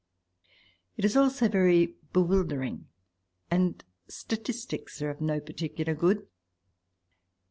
It is all so very bewildering, and statistics are of no particular good.